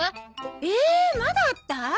えまだあった？